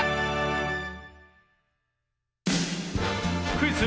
クイズ